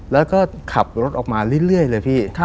แล้วก็ขับรถออกมาเรื่อยเลยพี่